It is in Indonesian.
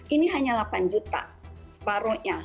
ini hanya delapan juta separuhnya